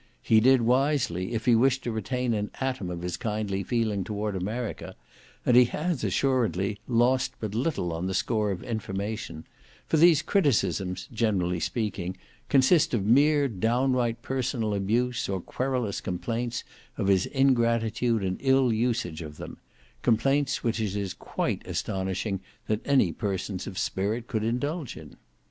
He did wisely, if he wished to retain an atom of his kindly feeling toward America, and he has, assuredly, lost but little on the score of information, for these criticisms, generally speaking, consist of mere downright personal abuse, or querulous complaints of his ingratitude and ill usage of them; complaints which it is quite astonishing that any persons of spirit could indulge in.